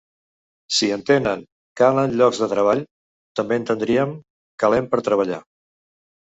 Si entenem "calen llocs de treball", també entendríem "calem per treballar".